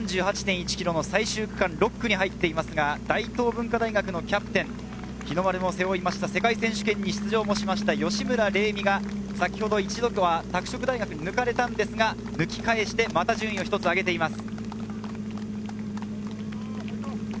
全３８．１ｋｍの最終区間６区に入っていますが、大東文化大学のキャプテン、日の丸も背負った世界選手権に出場もした吉村玲美が先ほど、一度は拓殖大学に抜かれたんですが、抜き返して順位を１つ上げています。